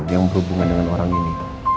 yang berhubungan dengan orang ini